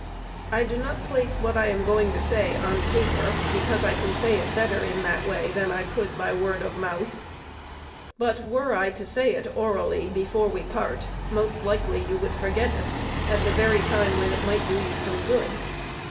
I do not place what I am going to say on paper, because I can say it better in that way than I could by word of mouth; but, were I to say it orally before we part, most likely you would forget it at the very time when it might do you some good.